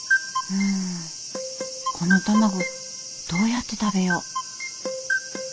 うんこの卵どうやって食べよう？